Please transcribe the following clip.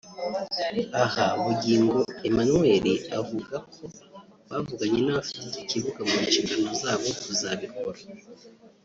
Aha Bugingo Emmanuel avuga ko bavuganye n’abafite iki kibuga mu nshingano zabo kuzabikora